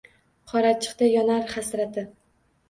Qorachiqda yonar hasrati.